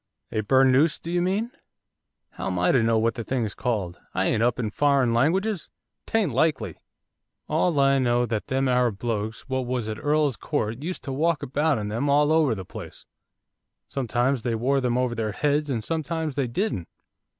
'A burnoose do you mean?' 'How am I to know what the thing's called? I ain't up in foreign languages, 'tain't likely! All I know that them Arab blokes what was at Earl's Court used to walk about in them all over the place, sometimes they wore them over their heads, and sometimes they didn't.